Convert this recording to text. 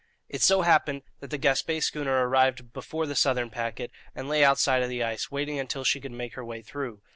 It so happened that the Gaspé schooner arrived before the southern packet, and lay outside of the ice, waiting until she could make her way through.